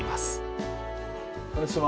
こんにちは。